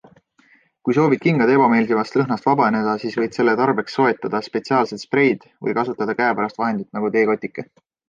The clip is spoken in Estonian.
Kui soovid kingade ebameeldivast lõhnast vabaneda, siis võid selle tarbeks soetada spetsiaalsed spreid või kasutada käepärast vahendit nagu teekotike.